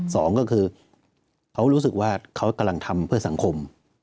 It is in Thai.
สองก็คือเขารู้สึกว่าเขากำลังทำเพื่อสังคม